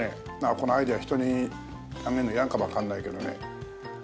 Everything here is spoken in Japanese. このアイデア人にあげるの嫌かもわかんないけどね